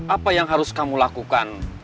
apa yang harus kamu lakukan